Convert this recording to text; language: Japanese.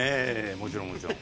もちろんもちろん。